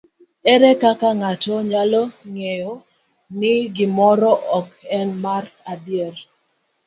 Ere kaka ng'ato nyalo ng'eyo ni gimoro ok en mar adier?